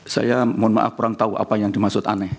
saya mohon maaf kurang tahu apa yang dimaksud aneh